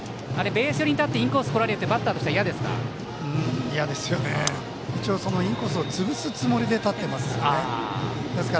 ベース寄りに立ってインコース来られるとバッターは嫌ですか。